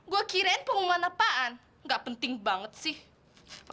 gue kirain pengumuman apaan gak penting banget sih